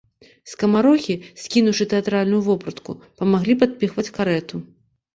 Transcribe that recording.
Скамарохі, скінуўшы тэатральную вопратку, памаглі падпіхваць карэту.